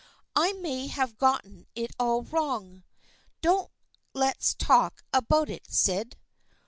I may have gotten it all wrong. Don't let's talk about it, Syd."